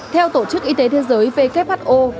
theo tổ chức y tế thế giới who